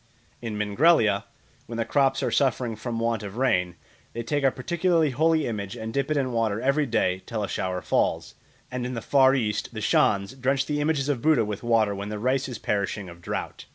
In Mingrelia, when the crops are suffering from want of rain, they take a particularly holy image and dip it in water every day till a shower falls; and in the Far East the Shans drench the images of Buddha with water when the rice is perishing of drought.